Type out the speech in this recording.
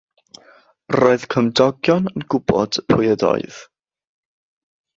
Roedd cymdogion yn gwybod pwy ydoedd.